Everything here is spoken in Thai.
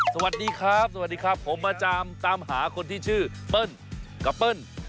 สวัสดีครับสวัสดีครับผมมาจำตามหาคนที่ชื่อเปิ้ลกับเปิ้ล